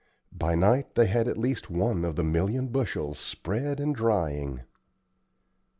By night they had at least one of the million bushels spread and drying.